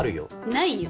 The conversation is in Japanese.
ないよ。